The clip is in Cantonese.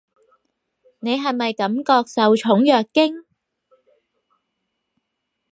你係咪感覺受寵若驚？